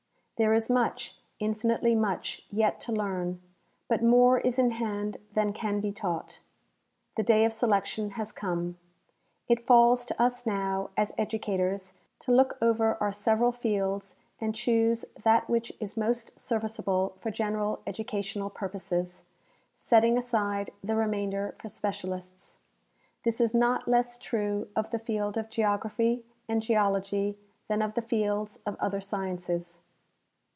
There is much, infinitely much, yet to learn, but more is in hand than can be taught. The day of selection has come. It falls to us now, as educators, to look over our several fields and choose that w^hich is most serviceable for general educational purposes, setting aside the remainder for specialists. This is not less true of the field of geography and geology than of the fields of other sciences.